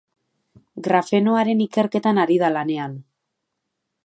Grafenoaren ikerketan ari da lanean.